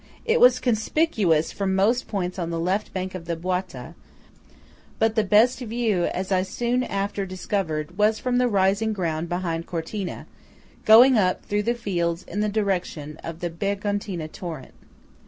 It was conspicuous from most points on the left bank of the Boita; but the best view, as I soon after discovered, was from the rising ground behind Cortina, going up through the fields in the direction of the Begontina torrent.